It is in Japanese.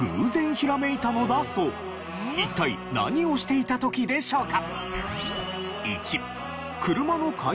一体何をしていた時でしょうか？